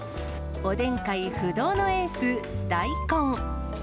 おでん界不動のエース、大根。